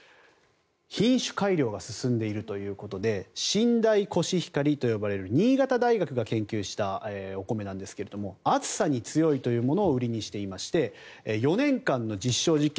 品種改良が進んでいるということで新大コシヒカリという新潟大学が研究したお米なんですが暑さに強いというものを売りにしていまして４年間の実証実験